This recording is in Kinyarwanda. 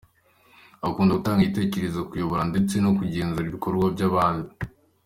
Akunda gutanga ibitekerezo, kuyobora ndetse no kugenzura ibikorwa by’abandi.